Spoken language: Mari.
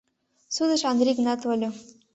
Судыш Андрий гына тольо.